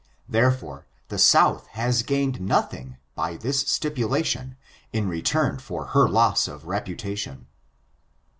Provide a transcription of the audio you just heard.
Therefore, the South has gained nothing by this stipulation in return for her loss of reputation.